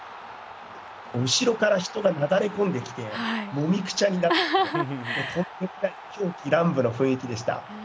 後ろから人がなだれ込んできて、もみくちゃになって、狂喜乱舞の雰囲気でした。